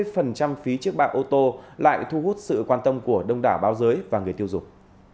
câu chuyện về giảm năm mươi phí chiếc bạc ôtô lại thu hút sự quan tâm của đông đảo báo giới và người tiêu dùng